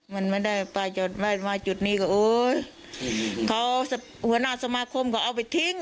มันไม่ได้ไปมาจุดนี้ก็โอ๊ยเขาหัวหน้าสมาคมก็เอาไปทิ้ง